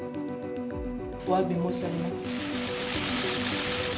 おわび申し上げます。